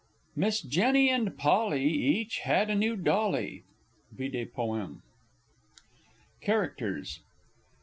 "Miss Jenny and Polly had each a new dolly." Vide Poem. CHARACTERS.